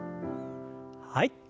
はい。